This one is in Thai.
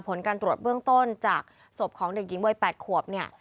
ผลการตรวจเบื้องต้นจากศพของเด็กหญิงวัย๘ขวบเนี่ย